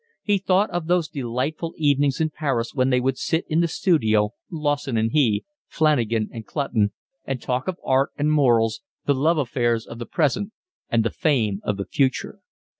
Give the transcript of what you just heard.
He thought of those delightful evenings in Paris when they would sit in the studio, Lawson and he, Flanagan and Clutton, and talk of art and morals, the love affairs of the present, and the fame of the future.